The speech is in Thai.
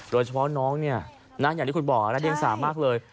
โดยเฉพาะน้องนี่นะอย่างที่คุณบอกแดรงสารศ์มากเลย